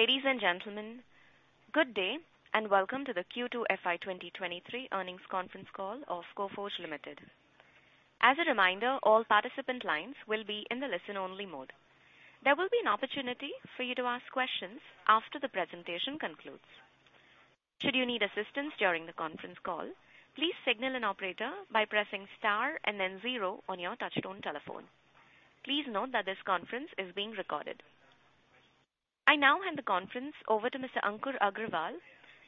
Ladies and gentlemen, good day, and welcome to the Q2 FY 2023 earnings conference call of Coforge Limited. As a reminder, all participant lines will be in the listen-only mode. There will be an opportunity for you to ask questions after the presentation concludes. Should you need assistance during the conference call, please signal an operator by pressing star and then zero on your touchtone telephone. Please note that this conference is being recorded. I now hand the conference over to Mr. Ankur Agrawal,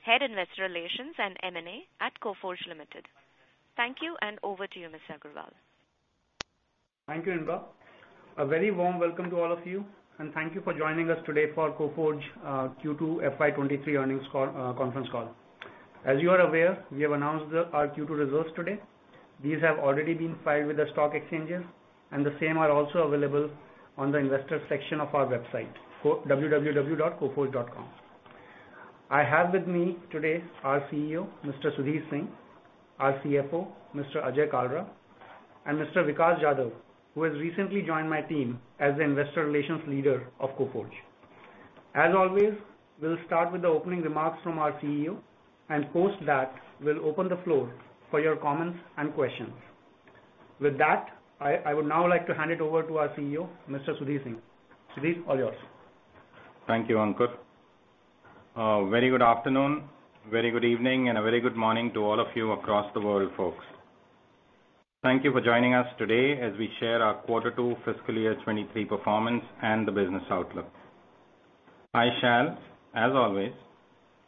Head Investor Relations and M&A at Coforge Limited. Thank you, and over to you, Mr. Agrawal. Thank you, Indra. A very warm welcome to all of you, and thank you for joining us today for Coforge Q2 FY 2023 earnings call conference call. As you are aware, we have announced our Q2 results today. These have already been filed with the stock exchanges, and the same are also available on the investor section of our website, www.coforge.com. I have with me today our CEO, Mr. Sudhir Singh, our CFO, Mr. Ajay Kalra, and Mr. Vikas Jadhav, who has recently joined my team as the Investor Relations leader of Coforge. As always, we'll start with the opening remarks from our CEO, and post that, we'll open the floor for your comments and questions. With that, I would now like to hand it over to our CEO, Mr. Sudhir Singh. Sudhir, all yours. Thank you, Ankur. Very good afternoon, very good evening, and a very good morning to all of you across the world, folks. Thank you for joining us today as we share our quarter 2 fiscal year 2023 performance and the business outlook. I shall, as always,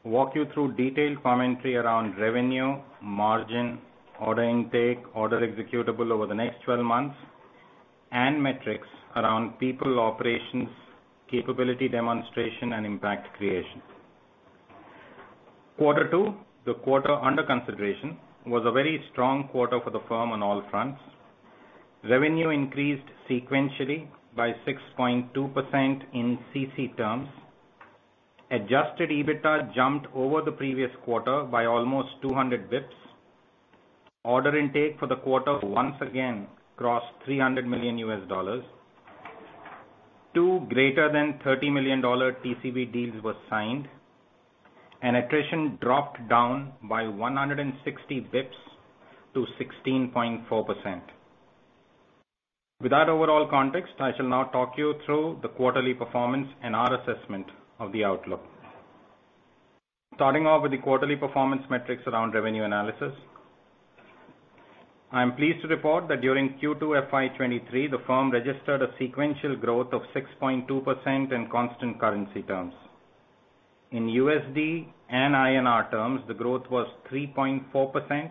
walk you through detailed commentary around revenue, margin, order intake, order executable over the next 12 months, and metrics around people, operations, capability demonstration, and impact creation. Quarter 2, the quarter under consideration, was a very strong quarter for the firm on all fronts. Revenue increased sequentially by 6.2% in CC terms. Adjusted EBITDA jumped over the previous quarter by almost 200 basis points. Order intake for the quarter once again crossed $300 million. Two greater than $30 million TCV deals were signed. Attrition dropped down by 160 basis points to 16.4%. With that overall context, I shall now talk you through the quarterly performance and our assessment of the outlook. Starting off with the quarterly performance metrics around revenue analysis, I am pleased to report that during Q2 FY 2023, the firm registered a sequential growth of 6.2% in constant currency terms. In USD and INR terms, the growth was 3.4%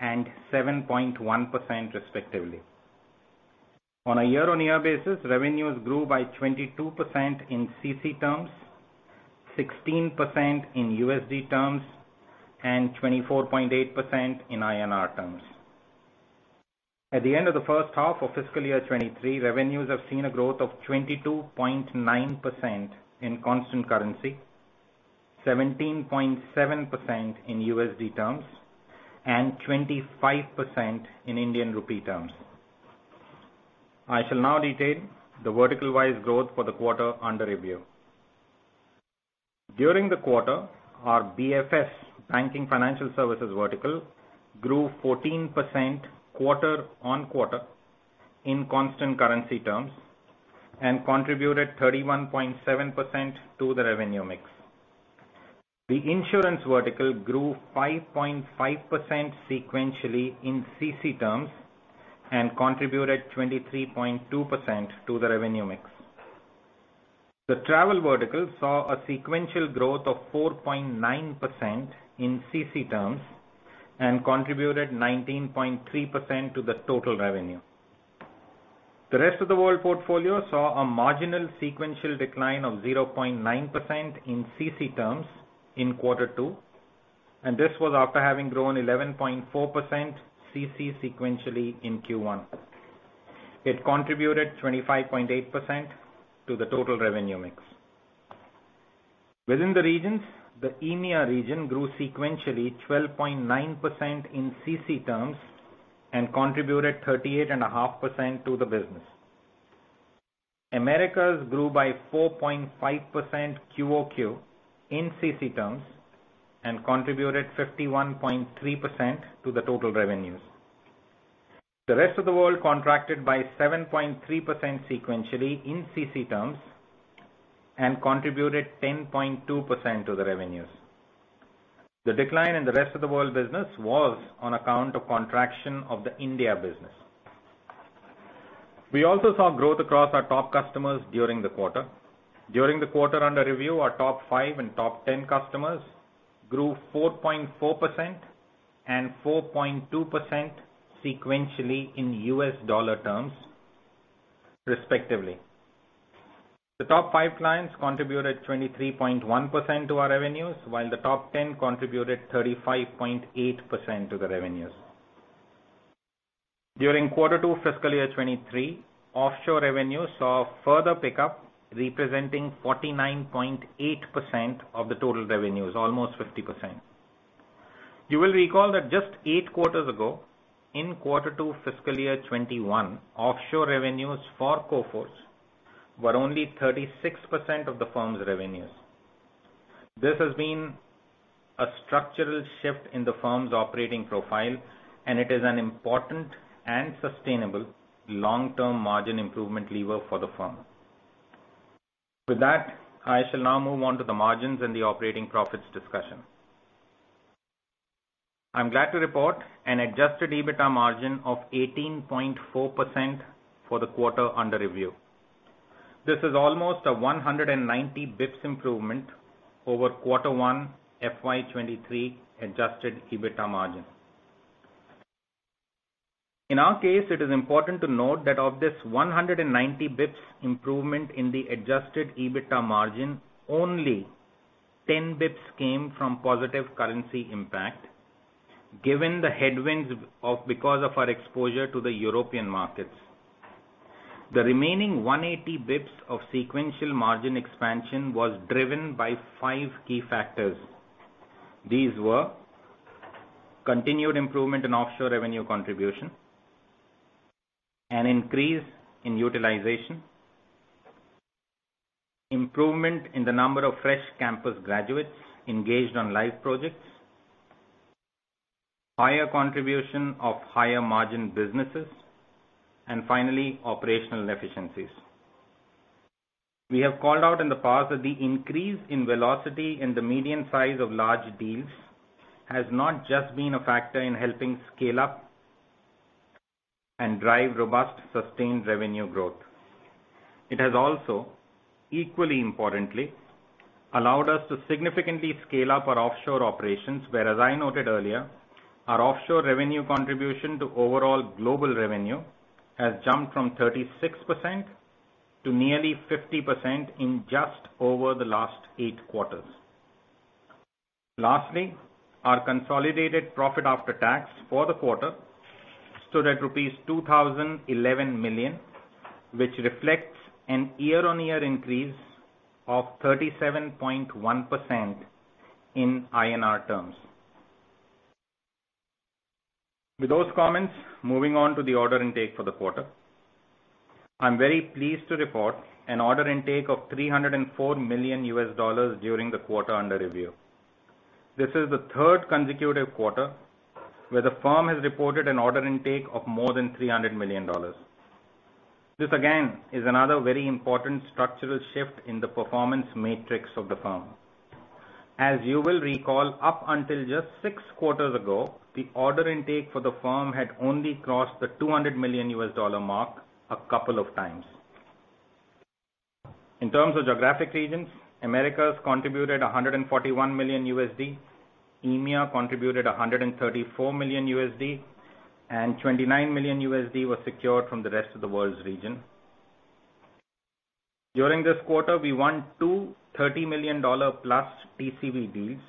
and 7.1% respectively. On a year-on-year basis, revenues grew by 22% in CC terms, 16% in USD terms, and 24.8% in INR terms. At the end of the first half of fiscal year 2023, revenues have seen a growth of 22.9% in constant currency, 17.7% in USD terms, and 25% in Indian rupee terms. I shall now detail the vertical-wise growth for the quarter under review. During the quarter, our BFS banking financial services vertical grew 14% quarter-on-quarter in constant currency terms and contributed 31.7% to the revenue mix. The insurance vertical grew 5.5% sequentially in CC terms and contributed 23.2% to the revenue mix. The travel vertical saw a sequential growth of 4.9% in CC terms and contributed 19.3% to the total revenue. The rest of the world portfolio saw a marginal sequential decline of 0.9% in CC terms in quarter two, and this was after having grown 11.4% CC sequentially in Q1. It contributed 25.8% to the total revenue mix. Within the regions, the EMEA region grew sequentially 12.9% in CC terms and contributed 38.5% to the business. Americas grew by 4.5% QOQ in CC terms and contributed 51.3% to the total revenues. The rest of the world contracted by 7.3% sequentially in CC terms and contributed 10.2% to the revenues. The decline in the rest of the world business was on account of contraction of the India business. We also saw growth across our top customers during the quarter. During the quarter under review, our top five and top ten customers grew 4.4% and 4.2% sequentially in U.S. dollar terms respectively. The top 5 clients contributed 23.1% to our revenues, while the top 10 contributed 35.8% to the revenues. During quarter 2 fiscal year 2023, offshore revenue saw a further pickup, representing 49.8% of the total revenues, almost 50%. You will recall that just 8 quarters ago, in quarter 2 fiscal year 2021, offshore revenues for Coforge were only 36% of the firm's revenues. This has been a structural shift in the firm's operating profile, and it is an important and sustainable long-term margin improvement lever for the firm. With that, I shall now move on to the margins and the operating profits discussion. I'm glad to report an adjusted EBITDA margin of 18.4% for the quarter under review. This is almost a 190 basis points improvement over quarter one FY 2023 adjusted EBITDA margin. In our case, it is important to note that of this 190 basis points improvement in the adjusted EBITDA margin, only 10 basis points came from positive currency impact, given the headwinds because of our exposure to the European markets. The remaining 180 basis points of sequential margin expansion was driven by 5 key factors. These were continued improvement in offshore revenue contribution, an increase in utilization, improvement in the number of fresh campus graduates engaged on live projects, higher contribution of higher-margin businesses, and finally, operational efficiencies. We have called out in the past that the increase in velocity in the median size of large deals has not just been a factor in helping scale up and drive robust, sustained revenue growth. It has also, equally importantly, allowed us to significantly scale up our offshore operations, where, as I noted earlier, our offshore revenue contribution to overall global revenue has jumped from 36% to nearly 50% in just over the last 8 quarters. Lastly, our consolidated profit after tax for the quarter stood at rupees 2,011 million, which reflects a year-on-year increase of 37.1% in INR terms. With those comments, moving on to the order intake for the quarter. I'm very pleased to report an order intake of $304 million during the quarter under review. This is the third consecutive quarter where the firm has reported an order intake of more than $300 million. This again is another very important structural shift in the performance metrics of the firm. As you will recall, up until just six quarters ago, the order intake for the firm had only crossed the $200 million mark a couple of times. In terms of geographic regions, Americas contributed $141 million, EMEA contributed $134 million, and $29 million was secured from the rest of the world's region. During this quarter, we won two $30 million+ TCV deals.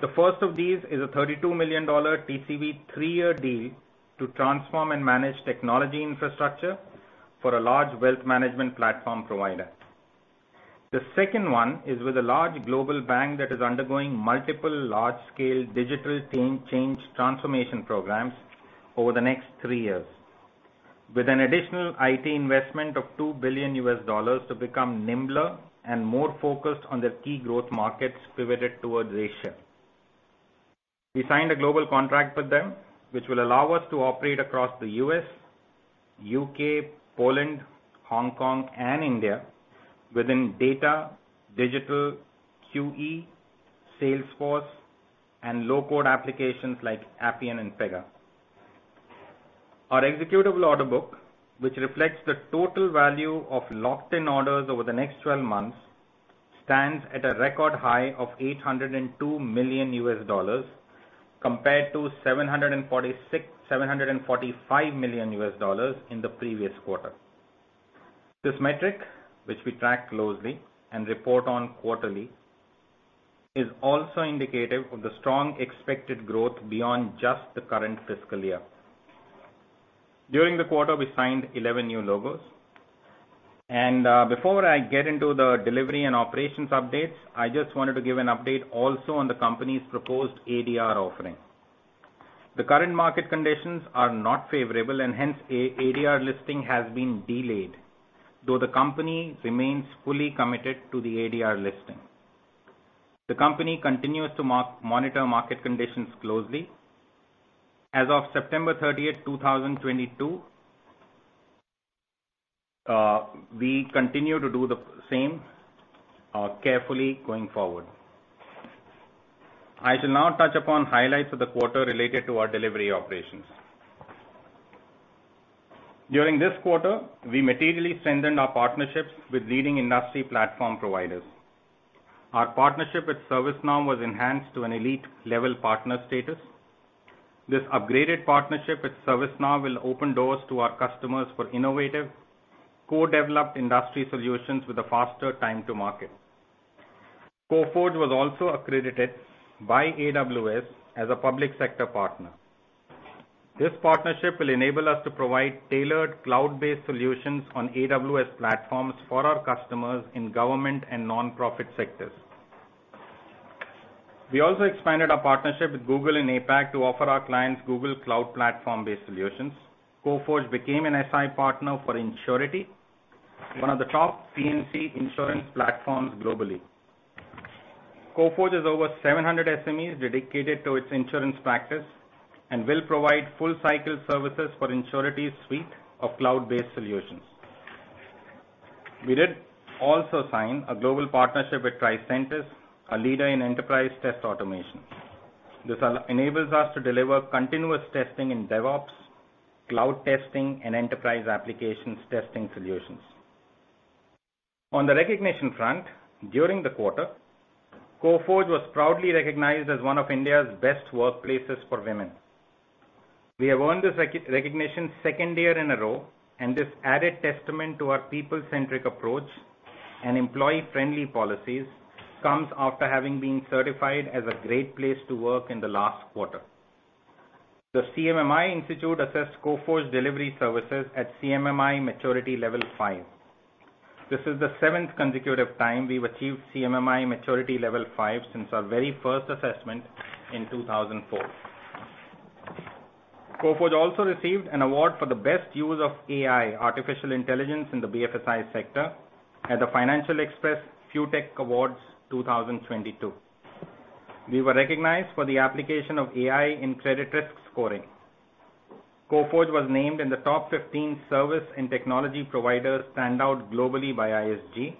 The first of these is a $32 million TCV three-year deal to transform and manage technology infrastructure for a large wealth management platform provider. The second one is with a large global bank that is undergoing multiple large-scale digital change transformation programs over the next three years, with an additional IT investment of $2 billion to become nimbler and more focused on the key growth markets pivoted towards Asia. We signed a global contract with them, which will allow us to operate across the U.S., U.K., Poland, Hong Kong, and India within data, digital, QE, Salesforce, and low-code applications like Appian and Pega. Our executable order book, which reflects the total value of locked-in orders over the next 12 months, stands at a record high of $802 million compared to $745 million in the previous quarter. This metric, which we track closely and report on quarterly, is also indicative of the strong expected growth beyond just the current fiscal year. During the quarter, we signed 11 new logos. Before I get into the delivery and operations updates, I just wanted to give an update also on the company's proposed ADR offering. The current market conditions are not favorable and hence an ADR listing has been delayed, though the company remains fully committed to the ADR listing. The company continues to monitor market conditions closely. As of September 30th, 2022, we continue to do the same, carefully going forward. I shall now touch upon highlights of the quarter related to our delivery operations. During this quarter, we materially strengthened our partnerships with leading industry platform providers. Our partnership with ServiceNow was enhanced to an elite level partner status. This upgraded partnership with ServiceNow will open doors to our customers for innovative, co-developed industry solutions with a faster time to market. Coforge was also accredited by AWS as a public sector partner. This partnership will enable us to provide tailored cloud-based solutions on AWS platforms for our customers in government and non-profit sectors. We also expanded our partnership with Google and APAC to offer our clients Google Cloud Platform-based solutions. Coforge became an SI partner for Insurity, one of the top P&C insurance platforms globally. Coforge has over 700 SMEs dedicated to its insurance practice and will provide full cycle services for Insurity's suite of cloud-based solutions. We did also sign a global partnership with Tricentis, a leader in enterprise test automation. This enables us to deliver continuous testing in DevOps, cloud testing, and enterprise applications testing solutions. On the recognition front, during the quarter, Coforge was proudly recognized as one of India's best workplaces for women. We have won this recognition second year in a row, and this added testament to our people-centric approach and employee-friendly policies comes after having been certified as a great place to work in the last quarter. The CMMI Institute assessed Coforge's delivery services at CMMI Maturity Level V. This is the seventh consecutive time we've achieved CMMI Maturity Level V since our very first assessment in 2004. Coforge also received an award for the best use of AI, artificial intelligence, in the BFSI sector at the Financial Express FE FuTech Awards 2022. We were recognized for the application of AI in credit risk scoring. Coforge was named in the top 15 service and technology providers standout globally by ISG.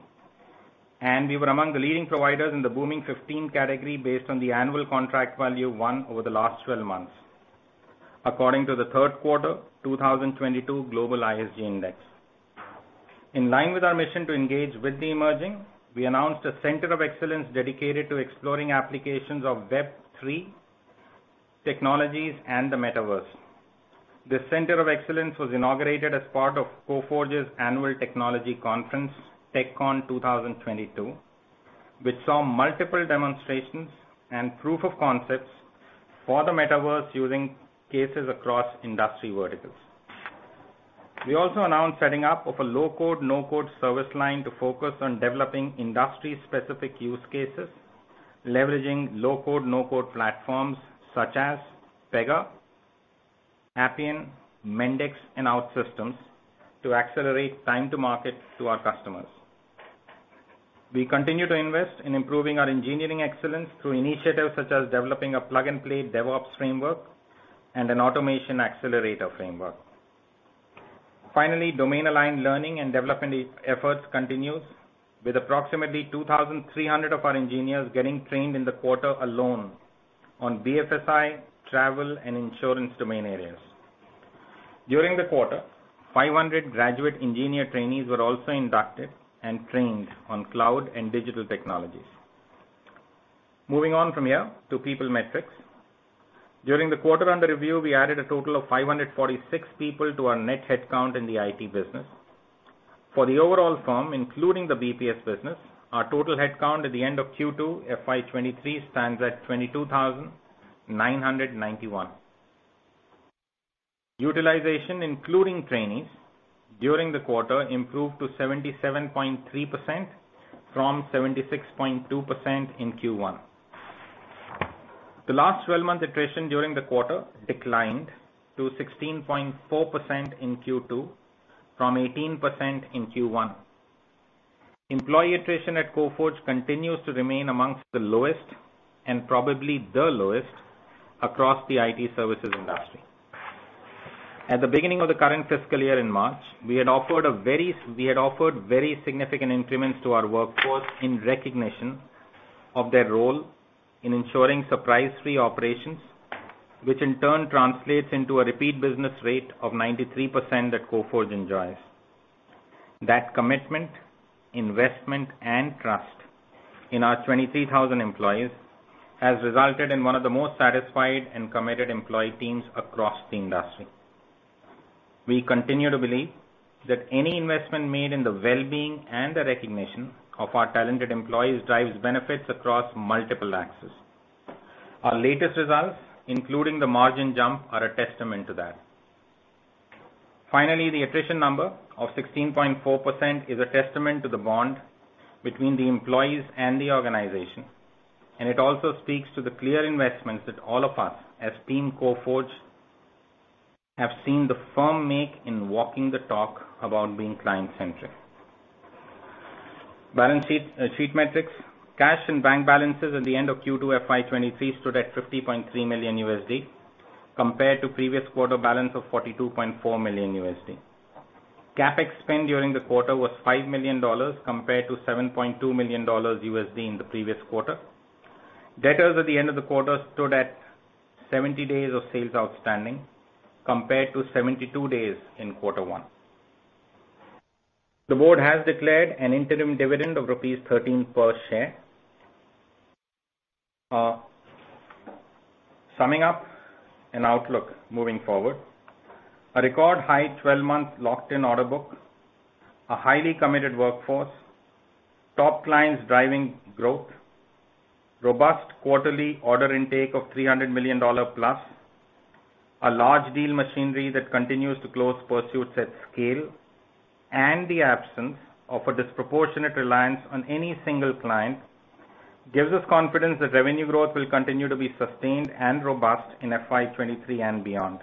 We were among the leading providers in the booming 15 category based on the annual contract value won over the last 12 months according to the third quarter 2022 global ISG Index. In line with our mission to engage with the emerging, we announced a center of excellence dedicated to exploring applications of Web3 technologies and the Metaverse. This center of excellence was inaugurated as part of Coforge's annual technology conference, TechCon 2022, which saw multiple demonstrations and proof of concepts for the Metaverse use cases across industry verticals. We also announced setting up of a low-code/no-code service line to focus on developing industry-specific use cases, leveraging low-code/no-code platforms such as Pega, Appian, Mendix, and OutSystems to accelerate time to market to our customers. We continue to invest in improving our engineering excellence through initiatives such as developing a plug-and-play DevOps framework and an automation accelerator framework. Finally, domain-aligned learning and development efforts continue, with approximately 2,300 of our engineers getting trained in the quarter alone on BFSI, travel, and insurance domain areas. During the quarter, 500 graduate engineer trainees were also inducted and trained on cloud and digital technologies. Moving on from here to people metrics. During the quarter under review, we added a total of 546 people to our net headcount in the IT business. For the overall firm, including the BPS business, our total headcount at the end of Q2 FY 2023 stands at 22,991. Utilization, including trainees, during the quarter improved to 77.3% from 76.2% in Q1. The 12-month attrition during the quarter declined to 16.4% in Q2 from 18% in Q1. Employee attrition at Coforge continues to remain amongst the lowest, and probably the lowest, across the IT services industry. At the beginning of the current fiscal year in March, we had offered very significant increments to our workforce in recognition of their role in ensuring surprise-free operations, which in turn translates into a repeat business rate of 93% that Coforge enjoys. That commitment, investment, and trust in our 23,000 employees has resulted in one of the most satisfied and committed employee teams across the industry. We continue to believe that any investment made in the well-being and the recognition of our talented employees drives benefits across multiple axes. Our latest results, including the margin jump, are a testament to that. Finally, the attrition number of 16.4% is a testament to the bond between the employees and the organization, and it also speaks to the clear investments that all of us, as team Coforge, have seen the firm make in walking the talk about being client-centric. Balance sheet metrics. Cash and bank balances at the end of Q2 FY 2023 stood at $50.3 million, compared to previous quarter balance of $42.4 million. CapEx spend during the quarter was $5 million compared to $7.2 million in the previous quarter. Debtors at the end of the quarter stood at 70 days of sales outstanding compared to 72 days in quarter one. The Board has declared an interim dividend of rupees 13 per share. Summing up and outlook moving forward. A record high 12-month locked-in order book, a highly committed workforce, top clients driving growth. Robust quarterly order intake of $300 million+, a large deal machinery that continues to close pursuits at scale, and the absence of a disproportionate reliance on any single client gives us confidence that revenue growth will continue to be sustained and robust in FY 2023 and beyond.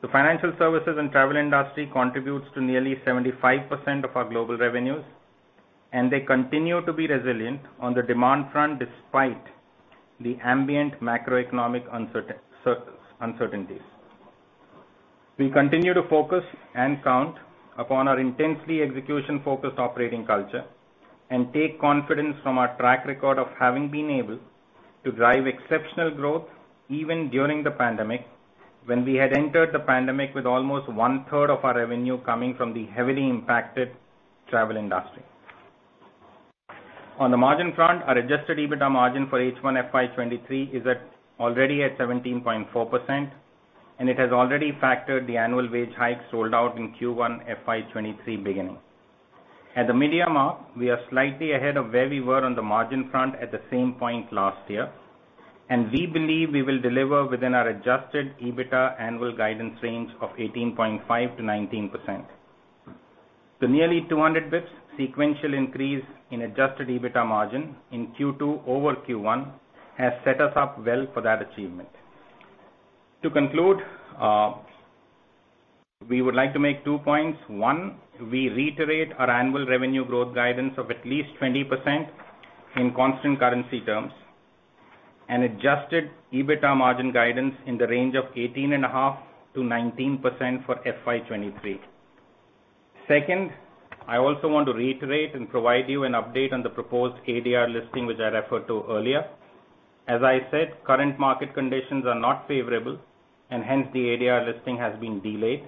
The financial services and travel industry contributes to nearly 75% of our global revenues, and they continue to be resilient on the demand front despite the ambient macroeconomic uncertainties. We continue to focus and count upon our intensely execution-focused operating culture and take confidence from our track record of having been able to drive exceptional growth even during the pandemic, when we had entered the pandemic with almost 1/3 of our revenue coming from the heavily impacted travel industry. On the margin front, our adjusted EBITDA margin for H1 FY 2023 is at, already at 17.4%, and it has already factored the annual wage hikes rolled out in Q1 FY 2023 beginning. At the mid-year mark, we are slightly ahead of where we were on the margin front at the same point last year, and we believe we will deliver within our adjusted EBITDA annual guidance range of 18.5%-19%. The nearly 200 basis points sequential increase in adjusted EBITDA margin in Q2 over Q1 has set us up well for that achievement. To conclude, we would like to make two points. One, we reiterate our annual revenue growth guidance of at least 20% in constant currency terms and adjusted EBITDA margin guidance in the range of 18.5%-19% for FY 2023. Second, I also want to reiterate and provide you an update on the proposed ADR listing which I referred to earlier. As I said, current market conditions are not favorable, and hence the ADR listing has been delayed.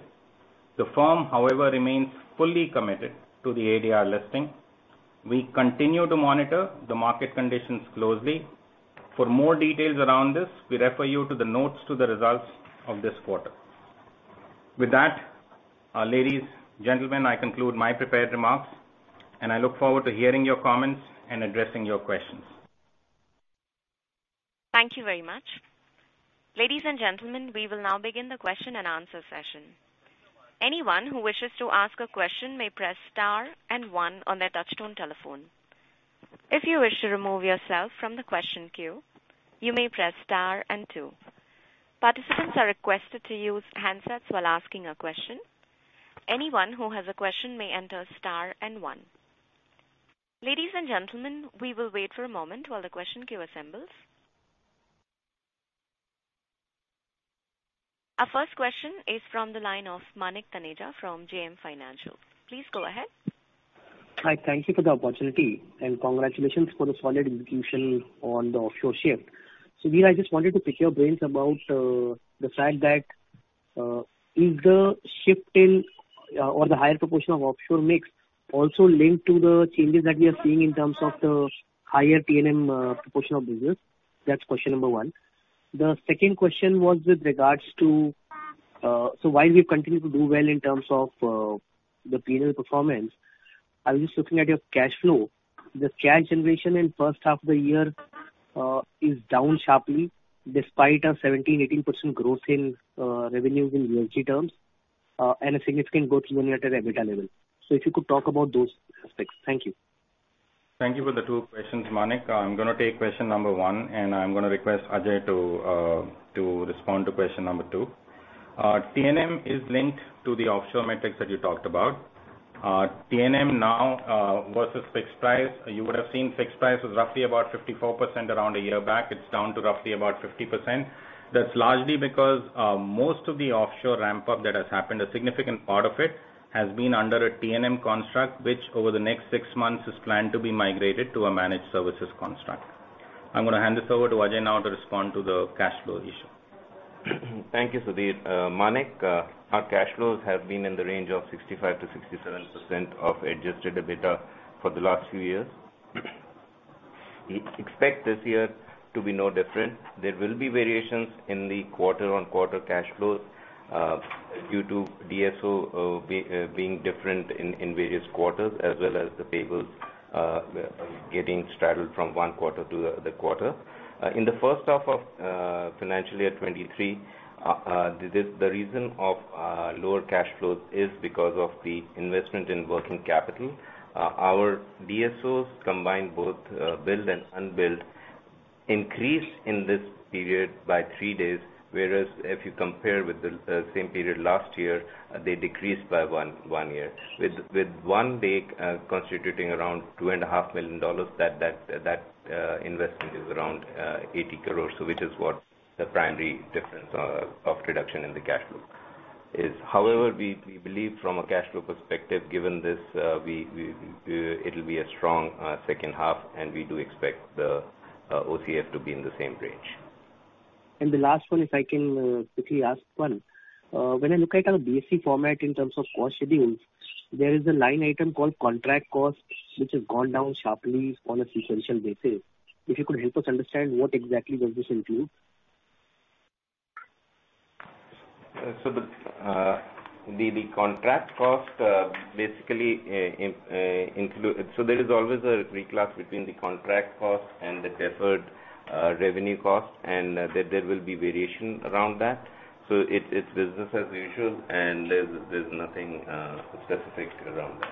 The firm, however, remains fully committed to the ADR listing. We continue to monitor the market conditions closely. For more details around this, we refer you to the notes to the results of this quarter. With that, ladies, gentlemen, I conclude my prepared remarks, and I look forward to hearing your comments and addressing your questions. Thank you very much. Ladies and gentlemen, we will now begin the question-and-answer session. Anyone who wishes to ask a question may press star and one on their touchtone telephone. If you wish to remove yourself from the question queue, you may press star and two. Participants are requested to use handsets while asking a question. Anyone who has a question may enter star and one. Ladies and gentlemen, we will wait for a moment while the question queue assembles. Our first question is from the line of Manik Taneja from JM Financial. Please go ahead. Hi. Thank you for the opportunity, and congratulations for the solid execution on the offshore shift. Sudhir, I just wanted to pick your brains about the fact that is the shift in or the higher proportion of offshore mix also linked to the changes that we are seeing in terms of the higher T&M proportion of business? That's question number one. The second question was with regards to so while we continue to do well in terms of the P&L performance, I was just looking at your cash flow. The cash generation in first half of the year is down sharply despite a 17%-18% growth in revenues in year-on-year terms and a significant growth even at an EBITDA level. If you could talk about those aspects. Thank you. Thank you for the two questions, Manik. I'm gonna take question number one, and I'm gonna request Ajay to respond to question number two. T&M is linked to the offshore metrics that you talked about. T&M now versus fixed price, you would have seen fixed price was roughly about 54% around a year back. It's down to roughly about 50%. That's largely because most of the offshore ramp-up that has happened, a significant part of it has been under a T&M construct, which over the next 6 months is planned to be migrated to a managed services construct. I'm gonna hand this over to Ajay now to respond to the cash flow issue. Thank you, Sudhir. Manik, our cash flows have been in the range of 65%-67% of adjusted EBITDA for the last few years. We expect this year to be no different. There will be variations in the quarter-on-quarter cash flows, due to DSO, being different in various quarters, as well as the payables, getting straddled from one quarter to the other quarter. In the first half of financial year 2023, the reason of lower cash flows is because of the investment in working capital. Our DSOs combined both billed and unbilled increased in this period by 3 days, whereas if you compare with the same period last year, they decreased by one day. With one day constituting around $2.5 million, that investment is around 80 crores, so which is what the primary difference of reduction in the cash flow is. However, we believe from a cash flow perspective, given this, it'll be a strong second half, and we do expect the OCF to be in the same range. The last one, if I can, quickly ask one. When I look at our BSC format in terms of cost details, there is a line item called contract costs, which has gone down sharply on a sequential basis. If you could help us understand what exactly does this include? The contract cost basically, so there is always a reclass between the contract cost and the deferred revenue cost, and there will be variation around that. It's business as usual, and there's nothing specific around that.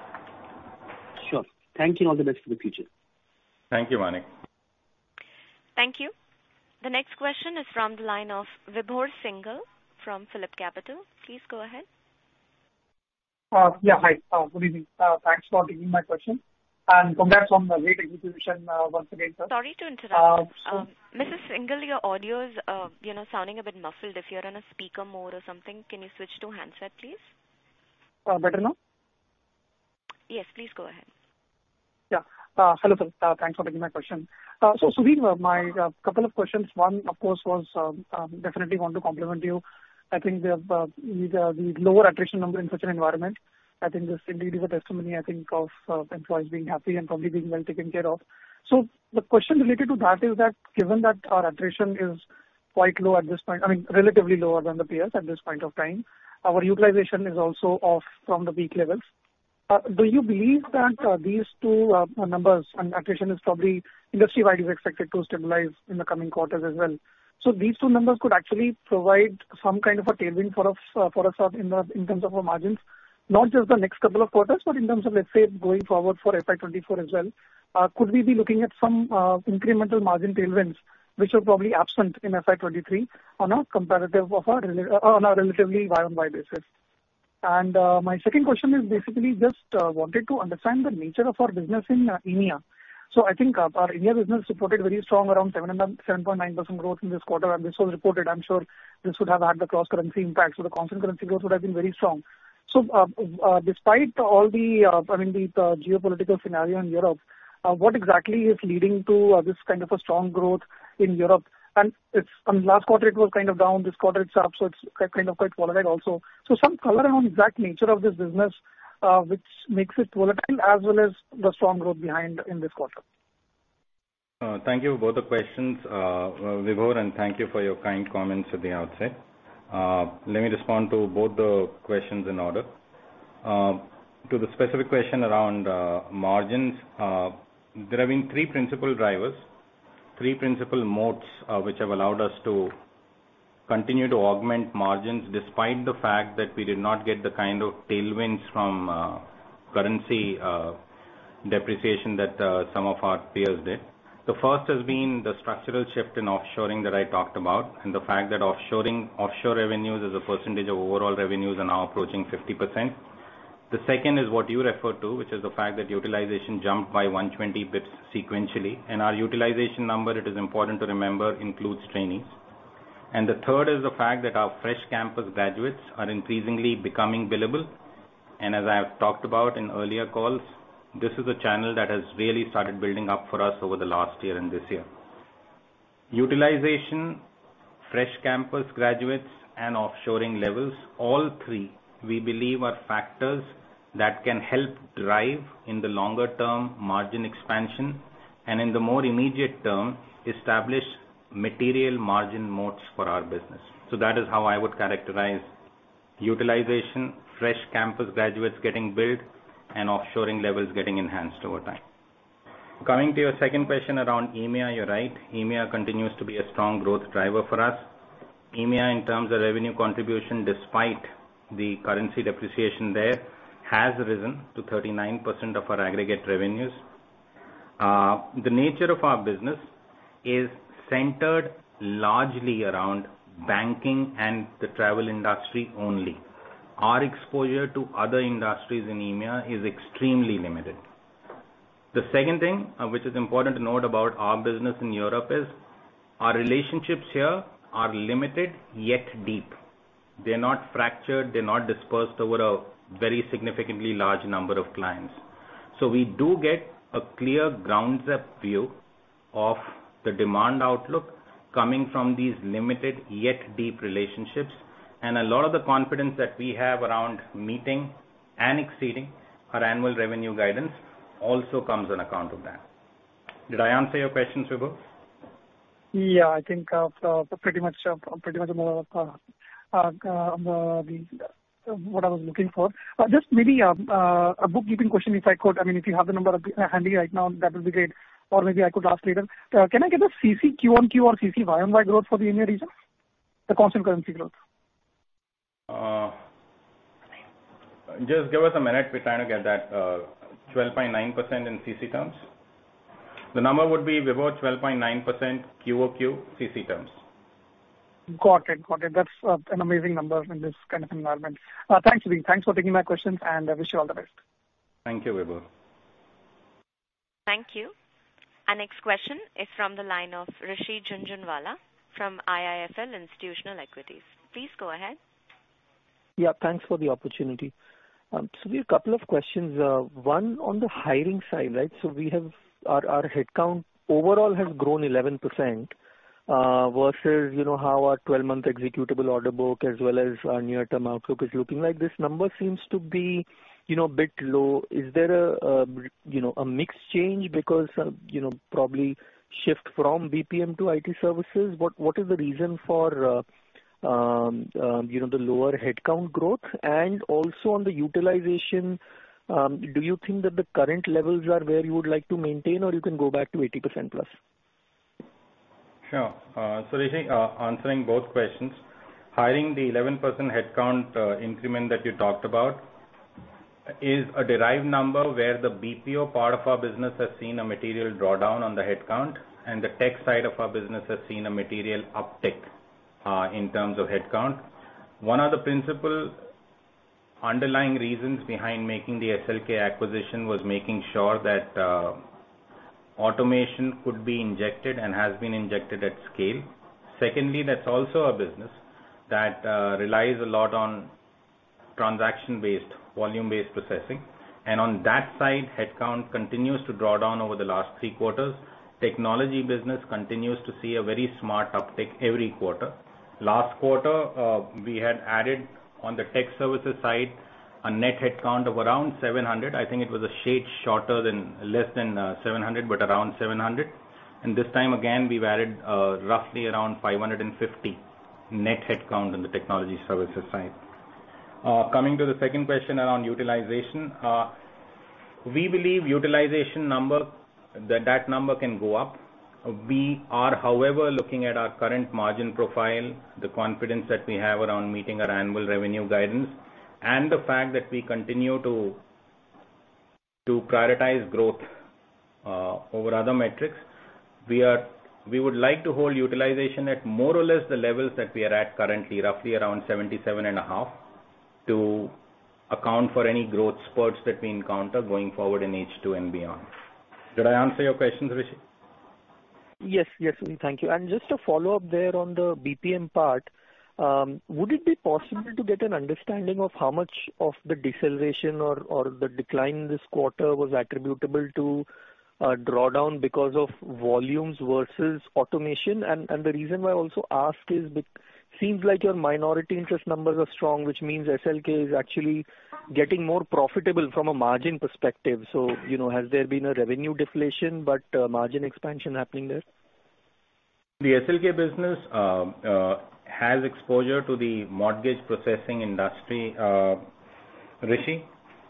Sure. Thank you, and all the best for the future. Thank you, Manik. Thank you. The next question is from the line of Vibhor Singhal from PhillipCapital. Please go ahead. Yeah. Hi. Good evening. Thanks for taking my question, and congrats on the great execution, once again, sir. Sorry to interrupt. Uh, so- Mr. Singhal, your audio is, you know, sounding a bit muffled. If you're in a speaker mode or something, can you switch to handset, please? Better now? Yes. Please go ahead. Yeah. Hello, sir. Thanks for taking my question. Sudhir, my couple of questions. One, of course, definitely want to compliment you. I think we have the lower attrition number in such an environment. I think this indeed is a testimony, I think, of employees being happy and probably being well taken care of. The question related to that is that given that our attrition is quite low at this point, I mean, relatively lower than the peers at this point of time, our utilization is also off from the peak levels. Do you believe that these two numbers and attrition is probably industry-wide is expected to stabilize in the coming quarters as well. These two numbers could actually provide some kind of a tailwind for us, in terms of our margins, not just the next couple of quarters, but in terms of, let's say, going forward for FY 2024 as well. Could we be looking at some incremental margin tailwinds which are probably absent in FY 2023 on a comparative of a on a relatively year-on-year basis? My second question is basically just wanted to understand the nature of our business in EMEA. I think our EMEA business supported very strong around 7.9% growth in this quarter, and this was reported. I'm sure this would have had the cross-currency impact, so the constant currency growth would have been very strong. Despite all the, I mean, the geopolitical scenario in Europe, what exactly is leading to this kind of a strong growth in Europe? It's last quarter it was kind of down. This quarter it's up, so it's kind of quite volatile also. Some color around the exact nature of this business, which makes it volatile as well as the strong growth behind in this quarter. Thank you for both the questions, Vibhor, and thank you for your kind comments at the outset. Let me respond to both the questions in order. To the specific question around margins, there have been three principal drivers, three principal moats, which have allowed us to continue to augment margins despite the fact that we did not get the kind of tailwinds from currency depreciation that some of our peers did. The first has been the structural shift in offshoring that I talked about and the fact that offshoring, offshore revenues as a percentage of overall revenues are now approaching 50%. The second is what you referred to, which is the fact that utilization jumped by 120 basis points sequentially, and our utilization number, it is important to remember, includes trainings. The third is the fact that our fresh campus graduates are increasingly becoming billable, and as I have talked about in earlier calls, this is a channel that has really started building up for us over the last year and this year. Utilization, fresh campus graduates, and offshoring levels, all three we believe are factors that can help drive, in the longer term, margin expansion and in the more immediate term establish material margin moats for our business. That is how I would characterize utilization, fresh campus graduates getting billed, and offshoring levels getting enhanced over time. Coming to your second question around EMEA, you're right. EMEA continues to be a strong growth driver for us. EMEA, in terms of revenue contribution despite the currency depreciation there, has risen to 39% of our aggregate revenues. The nature of our business is centered largely around banking and the travel industry only. Our exposure to other industries in EMEA is extremely limited. The second thing, which is important to note about our business in Europe is our relationships here are limited, yet deep. They're not fractured. They're not dispersed over a very significantly large number of clients. We do get a clear grounds-up view of the demand outlook coming from these limited yet deep relationships, and a lot of the confidence that we have around meeting and exceeding our annual revenue guidance also comes on account of that. Did I answer your question, Vibhor? Yeah. I think, pretty much, what I was looking for. Just maybe a bookkeeping question, if I could. I mean, if you have the number, handy right now, that would be great, or maybe I could ask later. Can I get the CC Q-on-Q or CC Y-on-Y growth for the EMEA region? The constant currency growth. Just give us a minute. We're trying to get that. 12.9% in CC terms. The number would be, Vibhor, 12.9% Q-o-Q CC terms. Got it. That's an amazing number in this kind of environment. Thanks, Sudhir. Thanks for taking my questions, and I wish you all the best. Thank you, Vibhor. Thank you. Our next question is from the line of Rishi Jhunjhunwala from IIFL Institutional Equities. Please go ahead. Yeah. Thanks for the opportunity. Sudhir, a couple of questions. One on the hiring side, right? We have our headcount overall has grown 11%, versus, you know, how our 12-month executable order book as well as our near-term outlook is looking like. This number seems to be, you know, a bit low. Is there a, you know, a mix change because, you know, probably shift from BPM to IT services? What is the reason for, you know, the lower headcount growth and also on the utilization, do you think that the current levels are where you would like to maintain or you can go back to 80%+? Sure. So Rishi, answering both questions. Hiring the 11% headcount increment that you talked about is a derived number where the BPO part of our business has seen a material drawdown on the headcount, and the tech side of our business has seen a material uptick in terms of headcount. One of the principal underlying reasons behind making the SLK acquisition was making sure that automation could be injected and has been injected at scale. Secondly, that's also a business that relies a lot on transaction-based, volume-based processing. On that side, headcount continues to draw down over the last three quarters. Technology business continues to see a very smart uptick every quarter. Last quarter, we had added on the tech services side a net headcount of around 700. I think it was a shade shorter than less than 700, but around 700. This time again, we've added roughly around 550 net headcount on the technology services side. Coming to the second question around utilization. We believe utilization number, that number can go up. We are, however, looking at our current margin profile, the confidence that we have around meeting our annual revenue guidance, and the fact that we continue to prioritize growth over other metrics. We would like to hold utilization at more or less the levels that we are at currently, roughly around 77.5%, to account for any growth spurts that we encounter going forward in H2 and beyond. Did I answer your question, Rishi? Yes. Yes, thank you. Just a follow-up there on the BPM part, would it be possible to get an understanding of how much of the deceleration or the decline this quarter was attributable to drawdown because of volumes versus automation? The reason why I also ask is it seems like your minority interest numbers are strong, which means SLK is actually getting more profitable from a margin perspective. You know, has there been a revenue deflation but margin expansion happening there? The SLK business has exposure to the mortgage processing industry, Rishi.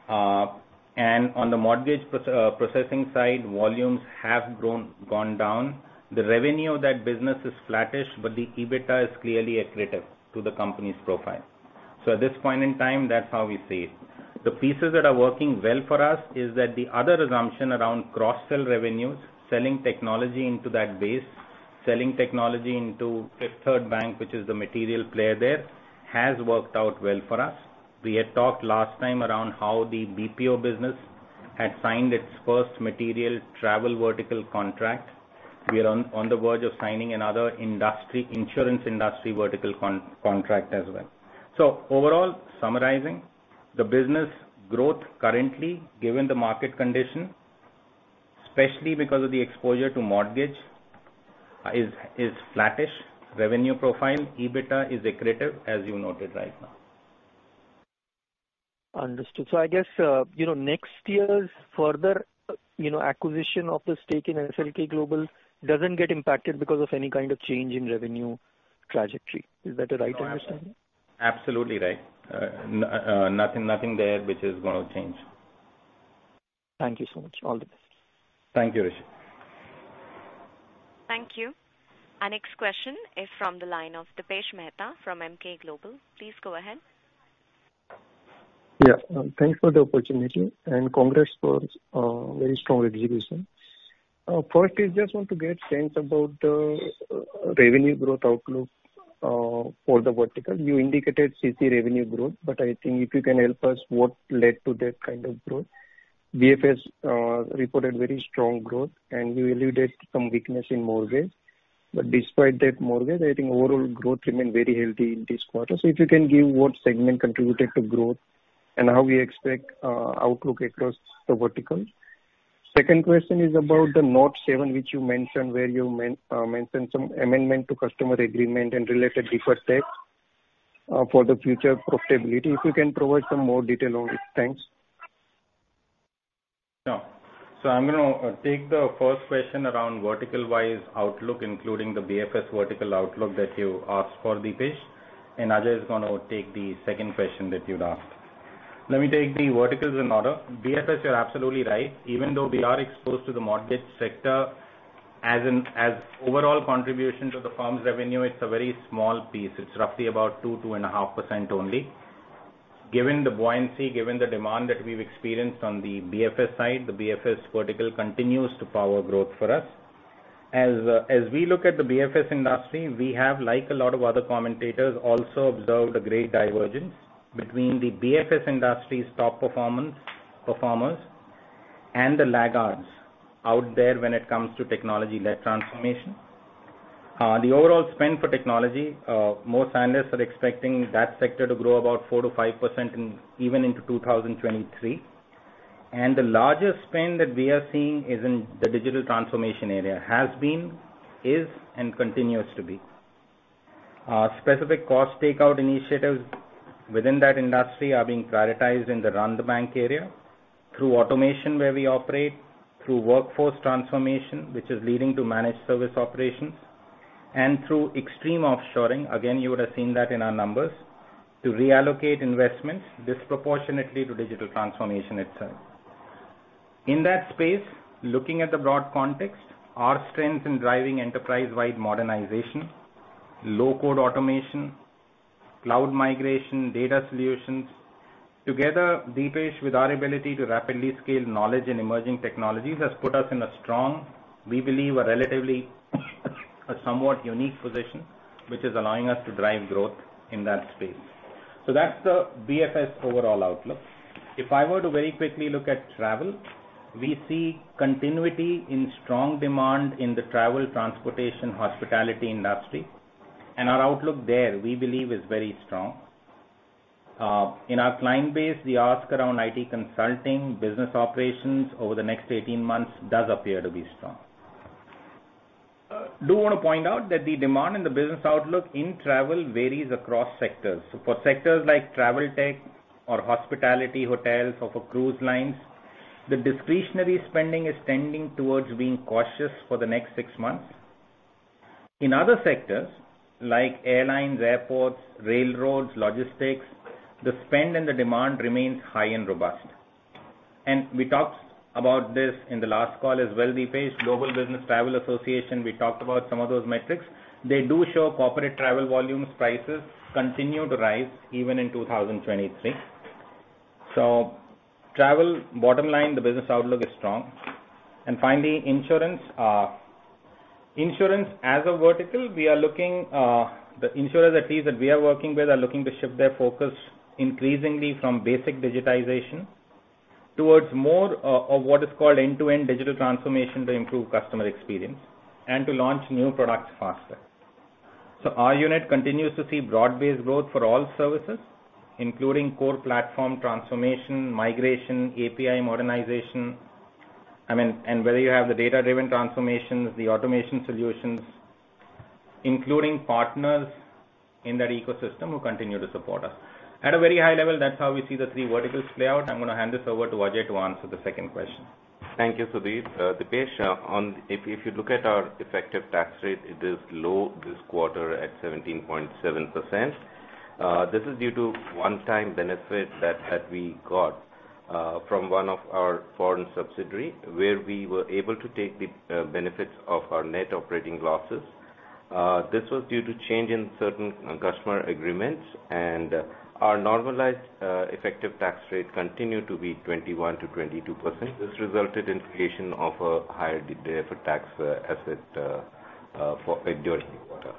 On the mortgage processing side, volumes have gone down. The revenue of that business is flattish, but the EBITDA is clearly accretive to the company's profile. At this point in time, that's how we see it. The pieces that are working well for us is that the other assumption around cross-sell revenues, selling technology into that base, selling technology into Fifth Third Bank, which is the material player there, has worked out well for us. We had talked last time around how the BPO business had signed its first material travel vertical contract. We are on the verge of signing another insurance industry vertical contract as well. Overall, summarizing, the business growth currently, given the market condition, especially because of the exposure to mortgage, is flattish revenue profile. EBITDA is accretive, as you noted right now. Understood. I guess, you know, next year's further, you know, acquisition of the stake in SLK Global doesn't get impacted because of any kind of change in revenue trajectory. Is that the right understanding? Absolutely right. Nothing there which is gonna change. Thank you so much. All the best. Thank you, Rishi. Thank you. Our next question is from the line of Dipesh Mehta from Emkay Global. Please go ahead. Yeah. Thanks for the opportunity, and congrats for very strong execution. First is just want to get sense about revenue growth outlook for the vertical. You indicated CC revenue growth, but I think if you can help us what led to that kind of growth. BFS reported very strong growth, and you alluded to some weakness in mortgage. Despite that mortgage, I think overall growth remained very healthy in this quarter. If you can give what segment contributed to growth and how we expect outlook across the vertical. Second question is about the Note 7 which you mentioned, where you mentioned some amendment to customer agreement and related deferred tax for the future profitability. If you can provide some more detail on it. Thanks. Sure. I'm gonna take the first question around vertical-wise outlook, including the BFS vertical outlook that you asked for, Dipesh. Ajay is gonna take the second question that you'd asked. Let me take the verticals in order. BFS, you're absolutely right. Even though we are exposed to the mortgage sector, as overall contribution to the firm's revenue, it's a very small piece. It's roughly about 2%-2.5% only. Given the buoyancy, given the demand that we've experienced on the BFS side, the BFS vertical continues to power growth for us. As we look at the BFS industry, we have, like a lot of other commentators, also observed a great divergence between the BFS industry's top performers and the laggards out there when it comes to technology-led transformation. The overall spend for technology, most analysts are expecting that sector to grow about 4%-5% even into 2023. The largest spend that we are seeing is in the digital transformation area, has been, is, and continues to be. Specific cost takeout initiatives within that industry are being prioritized in the Run the Bank area. Through automation where we operate, through workforce transformation, which is leading to managed service operations, and through extreme offshoring, again, you would have seen that in our numbers, to reallocate investments disproportionately to digital transformation itself. In that space, looking at the broad context, our strength in driving enterprise-wide modernization, low-code automation, cloud migration, data solutions. Together, Deepesh, with our ability to rapidly scale knowledge in emerging technologies has put us in a strong, we believe, a relatively, a somewhat unique position, which is allowing us to drive growth in that space. That's the BFS overall outlook. If I were to very quickly look at travel, we see continuity in strong demand in the travel transportation hospitality industry, and our outlook there, we believe, is very strong. In our client base, the ask around IT consulting business operations over the next 18 months does appear to be strong. Do wanna point out that the demand in the business outlook in travel varies across sectors. For sectors like travel tech or hospitality, hotels or for cruise lines, the discretionary spending is tending towards being cautious for the next 6 months. In other sectors, like airlines, airports, railroads, logistics, the spend and the demand remains high and robust. We talked about this in the last call as well, Deepesh. Global Business Travel Association, we talked about some of those metrics. They do show corporate travel volumes prices continue to rise even in 2023. Travel, bottom line, the business outlook is strong. Finally, insurance. Insurance as a vertical, we are looking, the insurers and CIs that we are working with are looking to shift their focus increasingly from basic digitization towards more of what is called end-to-end digital transformation to improve customer experience and to launch new products faster. Our unit continues to see broad-based growth for all services, including core platform transformation, migration, API modernization. I mean whether you have the data-driven transformations, the automation solutions, including partners in that ecosystem who continue to support us. At a very high level, that's how we see the three verticals play out. I'm gonna hand this over to Ajay to answer the second question. Thank you, Sudhir. Dipesh, if you look at our effective tax rate, it is low this quarter at 17.7%. This is due to one-time benefit that we got from one of our foreign subsidiary, where we were able to take the benefits of our net operating losses. This was due to change in certain customer agreements, and our normalized effective tax rate continued to be 21%-22%. This resulted in creation of a higher deferred tax asset formed during the quarter.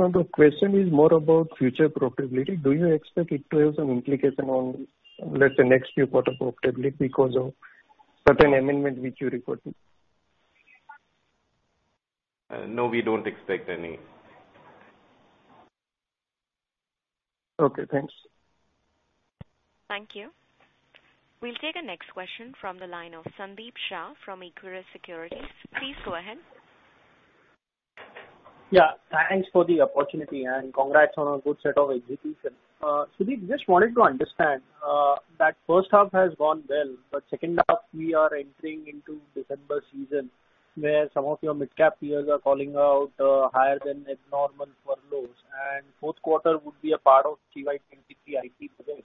No, the question is more about future profitability. Do you expect it to have some implication on, let's say, next few quarter profitability because of certain amendment which you reported? No, we don't expect any. Okay, thanks. Thank you. We'll take the next question from the line of Sandeep Shah from Equirus Securities. Please go ahead. Yeah, thanks for the opportunity, and congrats on a good set of execution. Sudhir, just wanted to understand, that first half has gone well, but second half we are entering into December season, where some of your midcap peers are calling out, higher than normal furloughs, and fourth quarter would be a part of CY 2023 IT spend.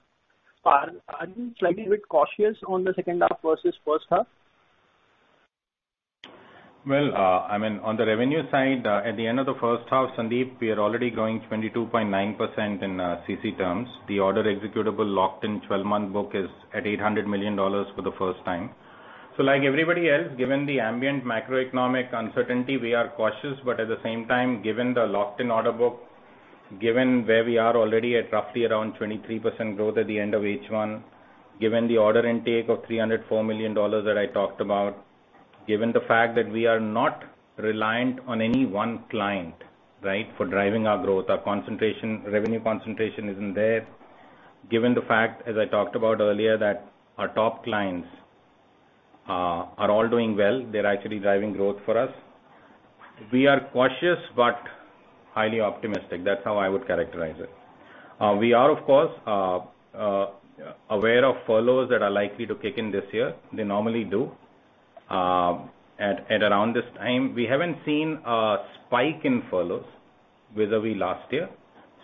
Are you slightly bit cautious on the second half versus first half? Well, I mean, on the revenue side, at the end of the first half, Sandeep, we are already growing 22.9% in CC terms. The order executable locked-in twelve-month book is at $800 million for the first time. Like everybody else, given the ambient macroeconomic uncertainty, we are cautious. At the same time, given the locked-in order book, given where we are already at roughly around 23% growth at the end of H1, given the order intake of $304 million that I talked about, given the fact that we are not reliant on any one client, right, for driving our growth, our concentration, revenue concentration isn't there. Given the fact, as I talked about earlier, that our top clients are all doing well, they're actually driving growth for us. We are cautious but highly optimistic. That's how I would characterize it. We are of course aware of furloughs that are likely to kick in this year. They normally do at around this time. We haven't seen a spike in furloughs vis-à-vis last year.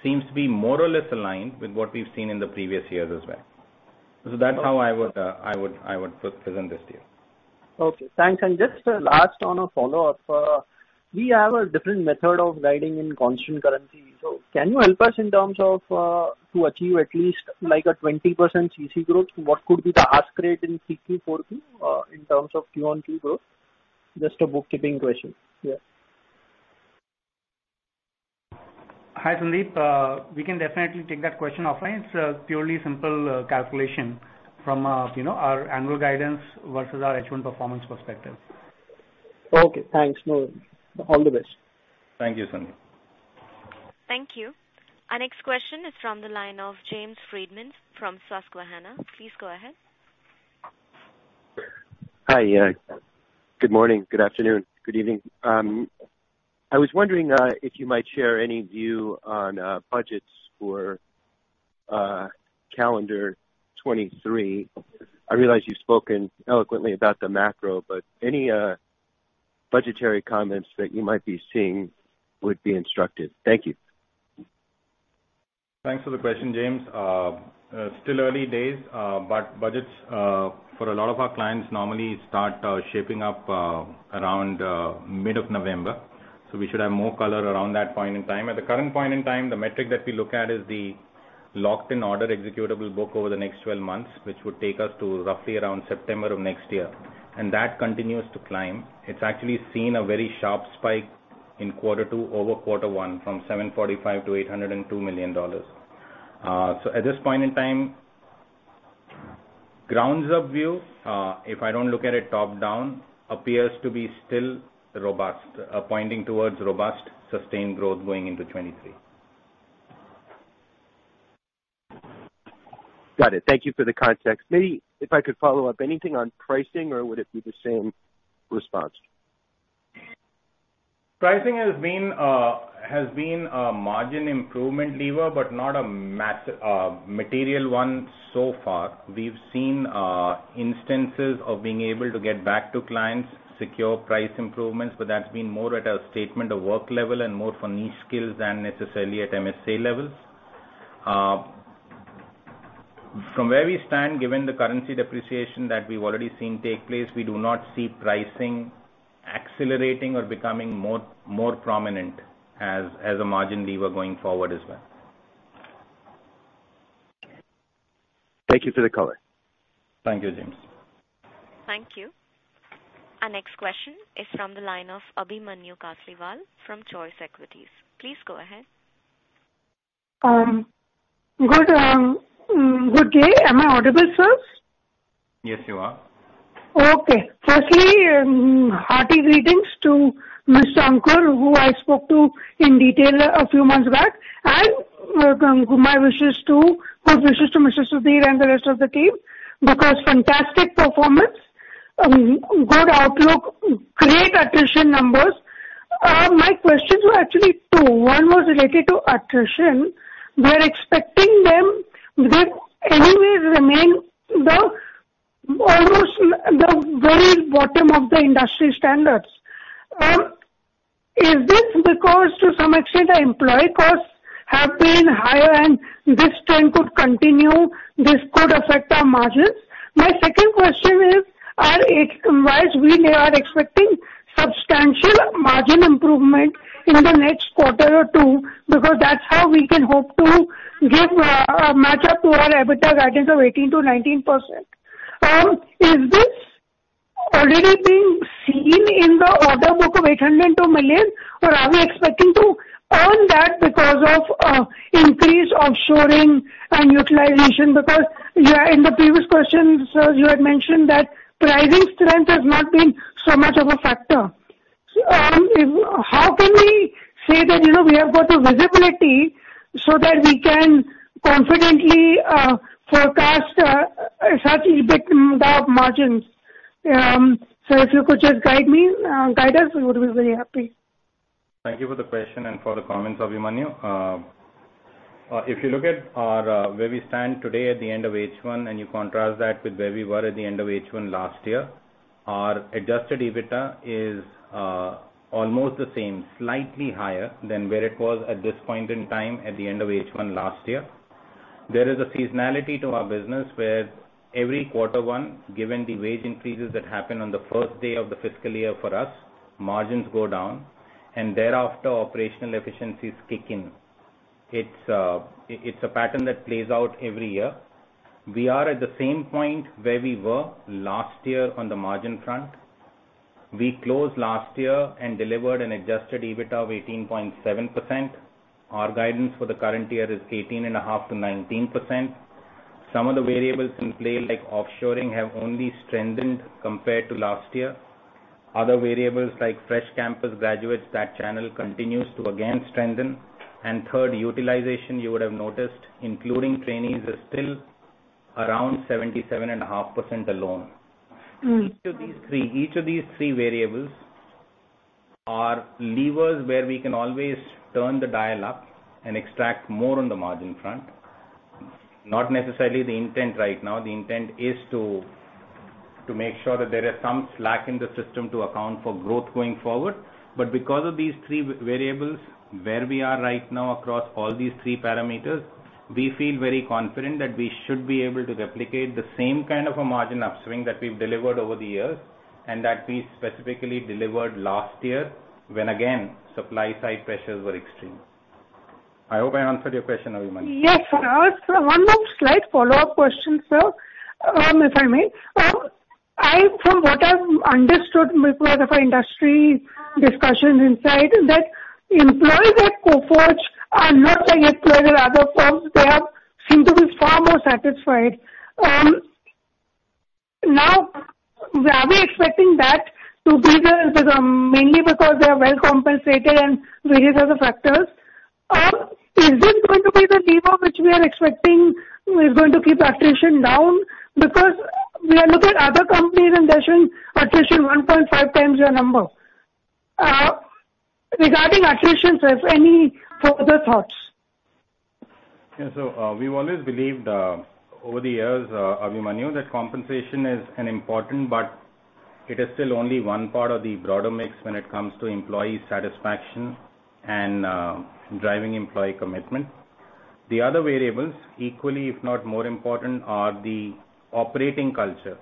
Seems to be more or less aligned with what we've seen in the previous years as well. That's how I would present this to you. Okay, thanks. Just last on a follow-up, we have a different method of guiding in constant currency. Can you help us in terms of to achieve at least like a 20% CC growth? What could be the growth rate in CC for Q4 in terms of Q-on-Q growth? Just a bookkeeping question. Yeah. Hi, Sandeep. We can definitely take that question offline. It's a purely simple calculation from our annual guidance versus our H1 performance perspective. Okay, thanks. No worry. All the best. Thank you, Sandeep. Thank you. Our next question is from the line of James Friedman from Susquehanna. Please go ahead. Hi, good morning, good afternoon, good evening. I was wondering if you might share any view on budgets for calendar 2023. I realize you've spoken eloquently about the macro, but any budgetary comments that you might be seeing would be instructive. Thank you. Thanks for the question, James. Still early days, but budgets for a lot of our clients normally start shaping up around mid of November. So we should have more color around that point in time. At the current point in time, the metric that we look at is the locked-in order executable book over the next 12 months, which would take us to roughly around September of next year. That continues to climb. It's actually seen a very sharp spike in quarter two-over-quarter one from $745 million-$802 million. So at this point in time, grounds up view, if I don't look at it top-down, appears to be still robust, pointing towards robust, sustained growth going into 2023. Got it. Thank you for the context. Maybe if I could follow up, anything on pricing or would it be the same response? Pricing has been a margin improvement lever but not a material one so far. We've seen instances of being able to get back to clients, secure price improvements, but that's been more at a statement of work level and more for niche skills than necessarily at MSA levels. From where we stand, given the currency depreciation that we've already seen take place, we do not see pricing accelerating or becoming more prominent as a margin lever going forward as well. Thank you for the color. Thank you, James. Thank you. Our next question is from the line of Abhimanyu Kasliwal from Choice Equities. Please go ahead. Good day. Am I audible, sir? Yes, you are. Okay. Firstly, hearty greetings to Mr. Ankur Agrawal, who I spoke to in detail a few months back. Good wishes to Mr. Sudhir Singh and the rest of the team because fantastic performance, good outlook, great attrition numbers. My questions were actually two. One was related to attrition. We're expecting that they anyway remain almost the very bottom of the industry standards. Is this because to some extent the employee costs have been higher and this trend could continue, this could affect our margins? My second question is, why we are expecting substantial margin improvement in the next quarter or two because that's how we can hope to catch up to our EBITDA guidance of 18%-19%. Is this already being seen in the order book of $802 million, or are we expecting to earn that because of increase offshoring and utilization? Because yeah, in the previous question, sir, you had mentioned that pricing strength has not been so much of a factor. How can we say that, you know, we have got the visibility so that we can confidently forecast a such bit in the margins. If you could just guide me, guide us, we would be very happy. Thank you for the question and for the comments, Abhimanyu. If you look at our where we stand today at the end of H1 and you contrast that with where we were at the end of H1 last year, our adjusted EBITDA is almost the same, slightly higher than where it was at this point in time at the end of H1 last year. There is a seasonality to our business where every Q1, given the wage increases that happen on the first day of the fiscal year for us, margins go down and thereafter operational efficiencies kick in. It's a pattern that plays out every year. We are at the same point where we were last year on the margin front. We closed last year and delivered an adjusted EBITDA of 18.7%. Our guidance for the current year is 18.5%-19%. Some of the variables in play like offshoring have only strengthened compared to last year. Other variables like fresh campus graduates, that channel continues to again strengthen. Third, utilization, you would have noticed, including trainees, are still around 77.5% alone. Each of these three variables are levers where we can always turn the dial up and extract more on the margin front. Not necessarily the intent right now. The intent is to make sure that there is some slack in the system to account for growth going forward. Because of these three variables, where we are right now across all these three parameters, we feel very confident that we should be able to replicate the same kind of a margin upswing that we've delivered over the years and that we specifically delivered last year when again, supply side pressures were extreme. I hope I answered your question, Abhimanyu. Yes. One more slight follow-up question, sir, if I may. From what I've understood because of our industry discussions insights, that employees at Coforge are not like employees at other firms. They seem to be far more satisfied. Now, are we expecting that to be the mainly because they are well compensated and various other factors? Is this going to be the lever which we are expecting is going to keep attrition down? Because we are looking at other companies and they're showing attrition 1.5x your number. Regarding attrition, sir, if any further thoughts. Yeah, we've always believed over the years, Abhimanyu, that compensation is an important, but it is still only one part of the broader mix when it comes to employee satisfaction and driving employee commitment. The other variables, equally, if not more important, are the operating culture.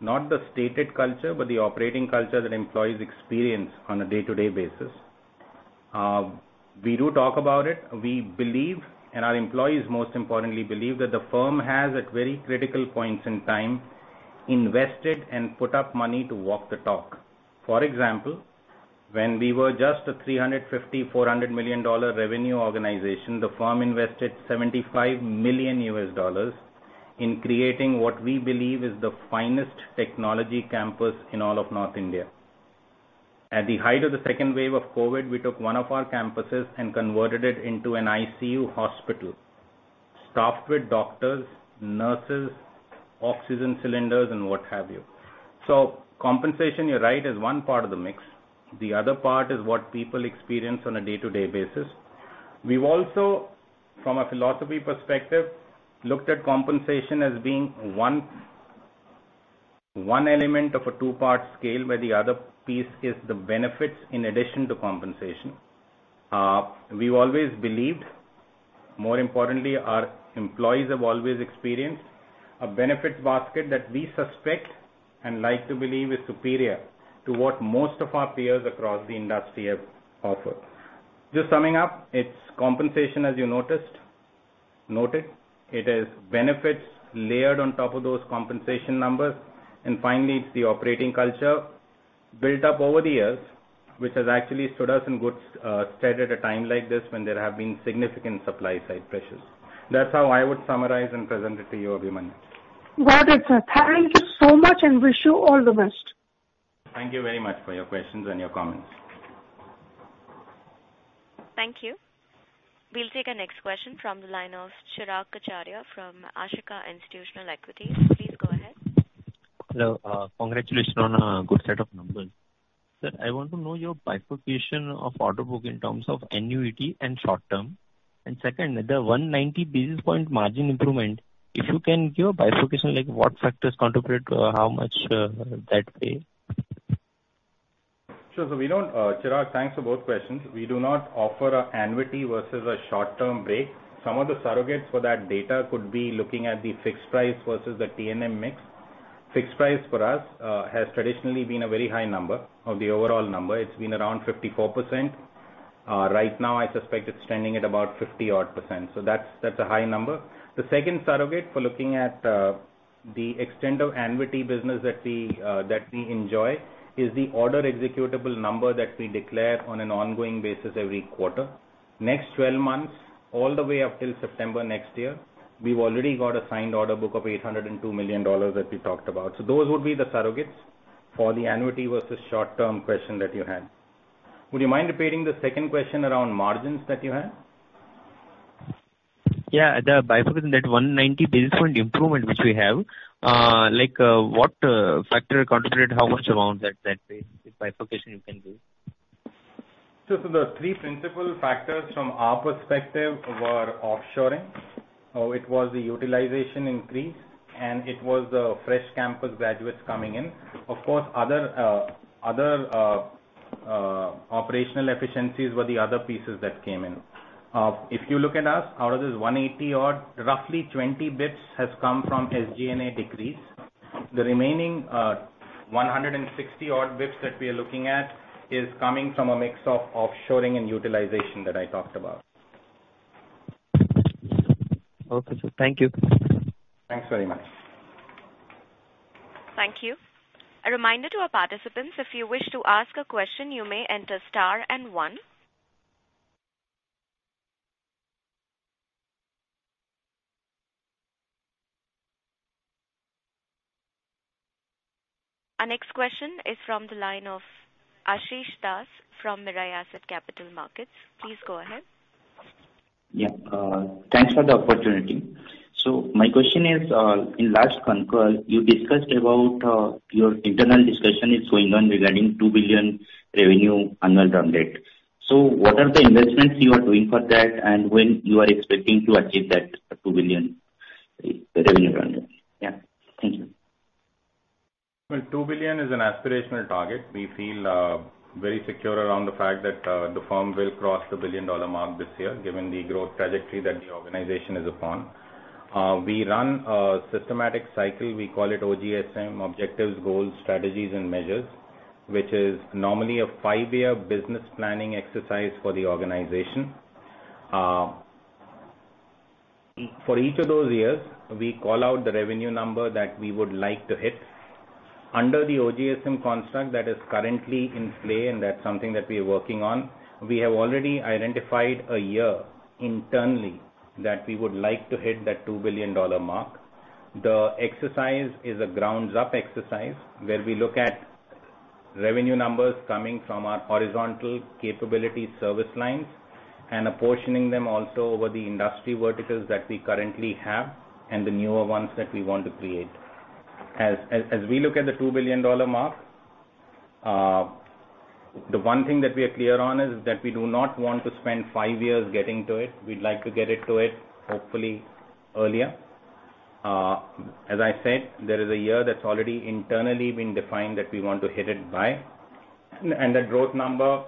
Not the stated culture, but the operating culture that employees experience on a day-to-day basis. We do talk about it. We believe, and our employees most importantly believe, that the firm has, at very critical points in time, invested and put up money to walk the talk. For example, when we were just a $350 million-$400 million revenue organization, the firm invested $75 million in creating what we believe is the finest technology campus in all of North India. At the height of the second wave of COVID, we took one of our campuses and converted it into an ICU hospital, staffed with doctors, nurses, oxygen cylinders, and what have you. Compensation, you're right, is one part of the mix. The other part is what people experience on a day-to-day basis. We've also, from a philosophy perspective, looked at compensation as being one element of a two-part scale, where the other piece is the benefits in addition to compensation. We've always believed, more importantly, our employees have always experienced a benefits basket that we suspect and like to believe is superior to what most of our peers across the industry have offered. Just summing up, it's compensation, as you noted. It is benefits layered on top of those compensation numbers. Finally, it's the operating culture built up over the years, which has actually stood us in good stead at a time like this when there have been significant supply-side pressures. That's how I would summarize and present it to you, Abhimanyu. Got it, sir. Thank you so much, and wish you all the best. Thank you very much for your questions and your comments. Thank you. We'll take our next question from the line of Chirag Acharya from Ashika Institutional Equities. Please go ahead. Hello. Congratulations on a good set of numbers. Sir, I want to know your bifurcation of order book in terms of annuity and short-term. Second, the 190 basis point margin improvement, if you can give a bifurcation, like what factors contribute, how much, that pay? Sure. We don't, Chirag, thanks for both questions. We do not offer an annuity versus a short-term break. Some of the surrogates for that data could be looking at the fixed price versus the T&M mix. Fixed price for us has traditionally been a very high number of the overall number. It's been around 54%. Right now I suspect it's standing at about 50-odd percent, so that's a high number. The second surrogate for looking at the extent of annuity business that we enjoy is the order executable number that we declare on an ongoing basis every quarter. Next 12 months, all the way up till September next year, we've already got a signed order book of $802 million that we talked about. Those would be the surrogates for the annuity versus short-term question that you had. Would you mind repeating the second question around margins that you had? Yeah. The bifurcation, that 190 basis point improvement which we have, like, what factor contributed, how much amount that pays, if bifurcation you can give? Sure. The three principal factors from our perspective were offshoring, the utilization increase, and the fresh campus graduates coming in. Of course, other operational efficiencies were the other pieces that came in. If you look at us, out of this 180-odd, roughly 20 basis points has come from SG&A decrease. The remaining, 160-odd basis points that we are looking at is coming from a mix of offshoring and utilization that I talked about. Okay, sir. Thank you. Thanks very much. Thank you. A reminder to our participants, if you wish to ask a question, you may enter star and one. Our next question is from the line of Ashish Das from Mirae Asset Capital Markets. Please go ahead. Yeah. Thanks for the opportunity. My question is, in last concall, you discussed about your internal discussion is going on regarding $2 billion revenue annual run rate. What are the investments you are doing for that, and when you are expecting to achieve that $2 billion revenue annual run rate? Yeah. Thank you. Well, $2 billion is an aspirational target. We feel very secure around the fact that the firm will cross the $1 billion mark this year, given the growth trajectory that the organization is upon. We run a systematic cycle. We call it OGSM, objectives, goals, strategies, and measures, which is normally a five-year business planning exercise for the organization. For each of those years, we call out the revenue number that we would like to hit. Under the OGSM construct that is currently in play, and that's something that we are working on, we have already identified a year internally that we would like to hit that $2 billion mark. The exercise is a ground-up exercise where we look at revenue numbers coming from our horizontal capability service lines and apportioning them also over the industry verticals that we currently have and the newer ones that we want to create. As we look at the $2 billion mark, the one thing that we are clear on is that we do not want to spend five years getting to it. We'd like to get to it hopefully earlier. As I said, there is a year that's already internally been defined that we want to hit it by. The growth number,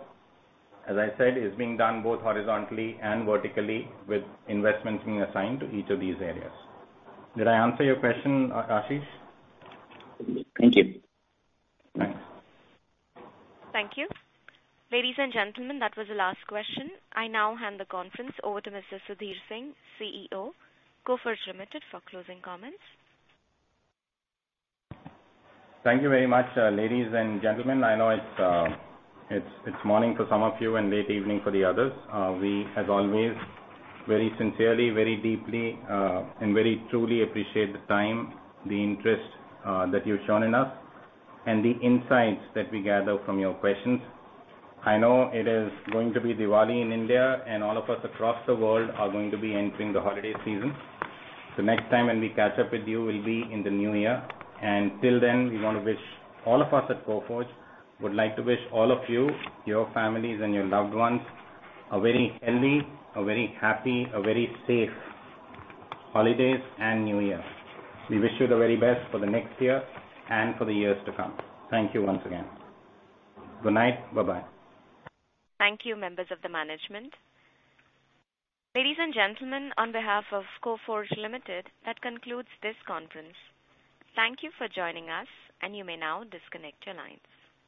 as I said, is being done both horizontally and vertically with investments being assigned to each of these areas. Did I answer your question, Ashish? Thank you. Thanks. Thank you. Ladies and gentlemen, that was the last question. I now hand the conference over to Mr. Sudhir Singh, CEO, Coforge Limited, for closing comments. Thank you very much, ladies and gentlemen. I know it's morning for some of you and late evening for the others. We as always very sincerely, very deeply, and very truly appreciate the time, the interest, that you've shown in us and the insights that we gather from your questions. I know it is going to be Diwali in India, and all of us across the world are going to be entering the holiday season. The next time when we catch up with you will be in the new year. Till then, we wanna wish all of us at Coforge would like to wish all of you, your families and your loved ones a very healthy, a very happy, a very safe holidays and New Year. We wish you the very best for the next year and for the years to come. Thank you once again. Good night. Bye-bye. Thank you, members of the management. Ladies and gentlemen, on behalf of Coforge Limited, that concludes this conference. Thank you for joining us, and you may now disconnect your lines.